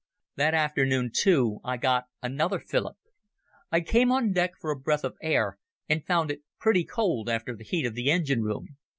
That afternoon, too, I got another fillip. I came on deck for a breath of air and found it pretty cold after the heat of the engine room.